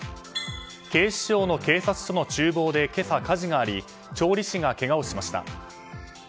警視庁の警察署の厨房で今朝、火事があり調理師がけがをしました。